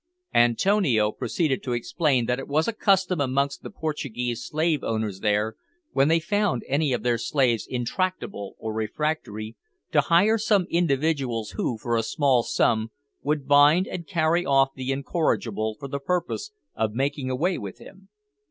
Antonio proceeded to explain that it was a custom amongst the Portuguese slave owners there, when they found any of their slaves intractable or refractory, to hire some individuals who, for a small sum, would bind and carry off the incorrigible for the purpose of making away with him.